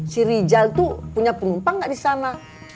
si rijal itu punya penumpang nggak di sana